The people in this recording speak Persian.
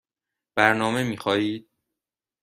برنامه می خواهید؟